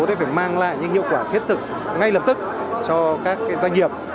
thì phải mang lại những hiệu quả thiết thực ngay lập tức cho các doanh nghiệp